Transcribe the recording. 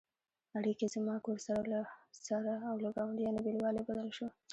اړیکې «زما کور» سره او له ګاونډیانو بېلوالی بدل شو.